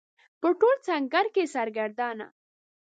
په ټول ځنګل کې یې سرګردانه